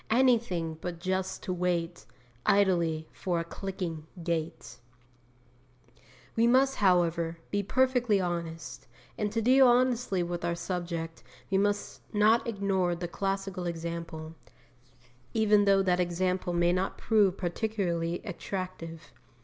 Anything but just to wait Idly for a clicking gate! We must, however, be perfectly honest; and to deal honestly with our subject we must not ignore the classical example, even though that example may not prove particularly attractive.